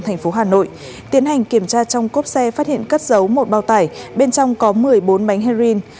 thành phố hà nội tiến hành kiểm tra trong cốp xe phát hiện cất giấu một bao tải bên trong có một mươi bốn bánh heroin